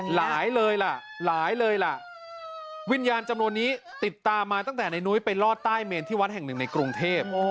หลายเลยล่ะหลายเลยล่ะวิญญาณจำนวนนี้ติดตามมาตั้งแต่ในนุ้ยไปลอดใต้เมนที่วัดแห่งหนึ่งในกรุงเทพ